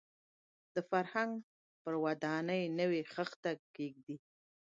د فرهنګ پر ودانۍ نوې خښته کېږدي.